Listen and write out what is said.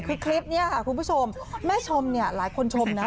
คือคลิปนี้ค่ะคุณผู้ชมแม่ชมเนี่ยหลายคนชมนะ